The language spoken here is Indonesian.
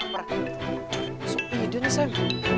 masukin aja deh sam